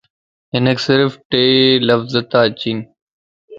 ھنک صرف ٽي لفظ تا اچين